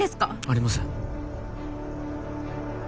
ありません